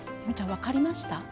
分かりました。